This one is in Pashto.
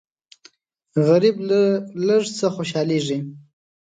غریب له لږ څه خوشالېږي